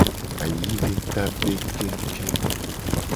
Ayayi be ta be kengu kengu.